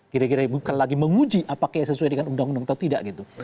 kira kira bukan lagi menguji apakah sesuai dengan undang undang atau tidak gitu